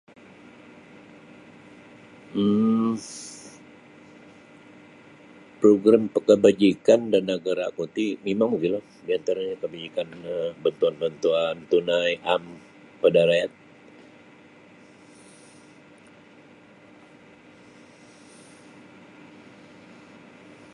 um Progrim kabajikan da nagaraku ti mimang mogilo diantaranyo kabajikan um bantuan-bantuan tunai am kepada rakyat.